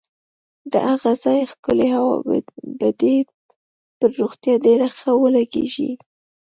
د هغه ځای ښکلې هوا به دې پر روغتیا ډېره ښه ولګېږي.